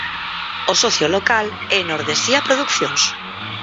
O socio local é Nordesía Producións.